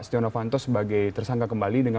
setia novanto sebagai tersangka kembali dengan